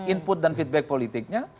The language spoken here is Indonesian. input dan feedback politiknya